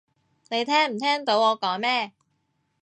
你聽唔聽到我講咩？